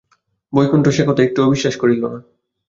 বৈকুণ্ঠ সে কথা একটুও বিশ্বাস করলে না।